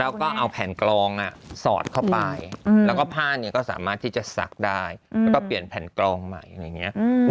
แล้วก็เอาแผ่นกรองสอดเข้าไปแล้วก็ผ้าเนี่ยก็สามารถที่จะซักได้แล้วก็เปลี่ยนแผ่นกรองใหม่อะไรอย่างนี้